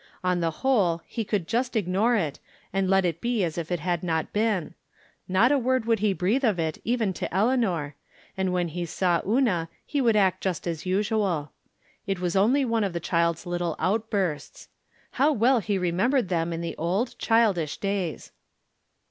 On the whole he would just ig nore it, and let it be as if it had not been ; not a word would he breathe of it even to Eleanor, and when he saw Una he would act just as usual. It was only one of the child's little outbursts. How well he remembered them in the old, child ish days.